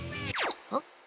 あっ？